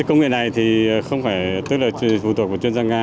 công nghệ này không phải phụ thuộc vào chuyên gia nga